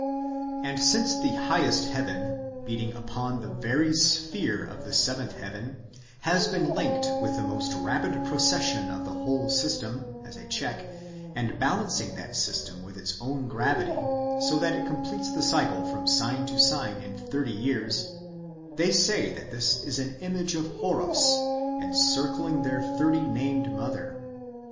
And since the highest heaven, bearing upon the very sphere [of the seventh heaven], has been linked with the most rapid precession of the whole system, as a check, and balancing that system with its own gravity, so that it completes the cycle from sign to sign in thirty years, — they say that this is an image of Horus, encircling their thirty named mother.